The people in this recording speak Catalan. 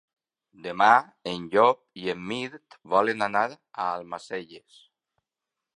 Demà en Llop i en Mirt volen anar a Almacelles.